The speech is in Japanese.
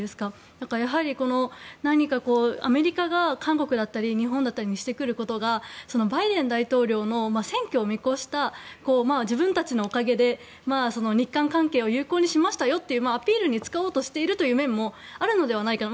だから、やはり何かアメリカが韓国だったり日本だったりにしてくることがバイデン大統領の選挙を見越した自分たちのおかげで日韓関係を有効にしましたよというアピールに使おうとしている面もあるのではないかなと。